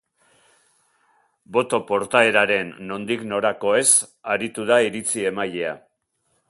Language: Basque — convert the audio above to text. Boto portaeraren nondik norakoez aritu da iritzi-emailea.